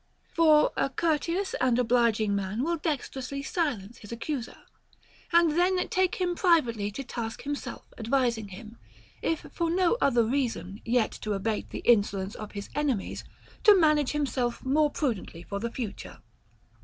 For a courteous and obliging man will dexterously silence his accuser, and then take him privately to task himself, advising him — if for no other reason, yet to abate the insolence of his ene mies — to manage himself more prudently for the future.